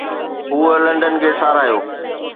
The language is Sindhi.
هوء لنڊن کي ساراهيو